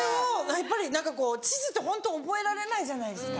やっぱり何かこう地図ってホント覚えられないじゃないですか。